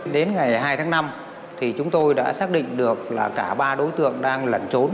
đến ngày hai tháng năm thì chúng tôi đã xác định được là cả ba đối tượng đang lẩn trốn